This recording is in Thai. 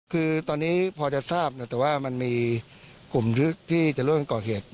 คือตอนนี้พอจะทราบแต่ว่ามันมีกลุ่มลึกที่จะร่วมก่อเหตุ